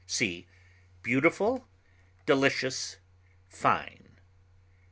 See BEAUTIFUL; DELICIOUS; FINE.